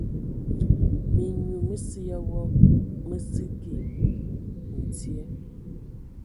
Minyu məsə ya wɔ mə səki ntye.